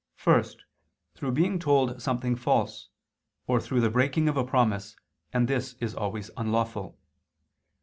First, through being told something false, or through the breaking of a promise, and this is always unlawful.